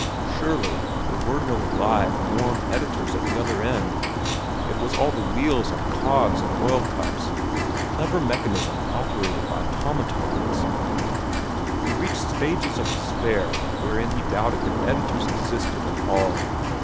Surely there were no live, warm editors at the other end. It was all wheels and cogs and oil cups—a clever mechanism operated by automatons. He reached stages of despair wherein he doubted if editors existed at all.